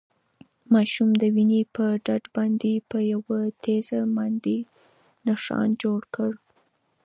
ماشوم د ونې په ډډ باندې په یوه تیږه باندې نښان جوړ کړ.